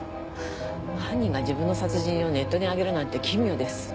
犯人が自分の殺人をネットにあげるなんて奇妙です。